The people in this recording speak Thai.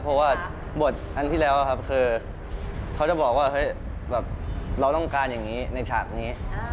เพราะว่าบทอันที่แล้วครับคือเขาจะบอกว่าเฮ้ยแบบเราต้องการอย่างนี้ในฉากนี้